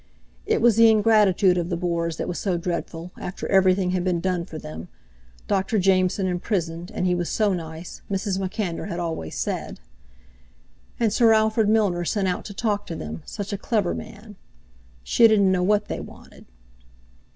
It was the ingratitude of the Boers that was so dreadful, after everything had been done for them—Dr. Jameson imprisoned, and he was so nice, Mrs. MacAnder had always said. And Sir Alfred Milner sent out to talk to them—such a clever man! She didn't know what they wanted.